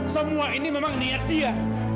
semua ini memang niat dia